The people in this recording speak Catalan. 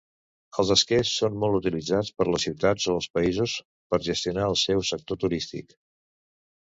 Els esquers són molt utilitzats per les ciutats o els països per gestionar el seu sector turístic.